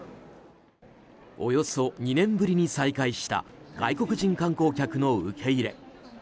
およそ２年ぶりに再開した外国人観光客の受け入れ。